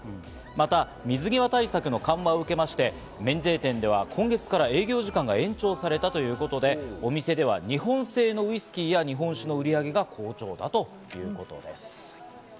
また水際対策の緩和を受けまして免税店では今月から営業時間が延長されたということで、お店では日本製のウイスキーや日本酒の売り上げが好調だということです。